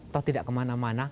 toh tidak kemana mana